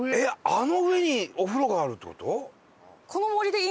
あの上にお風呂があるって事？